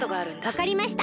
わかりました。